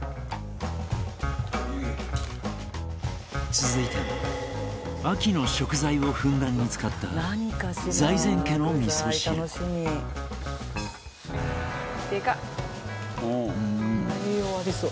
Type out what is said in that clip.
続いては秋の食材をふんだんに使った財前家の味噌汁「栄養ありそう」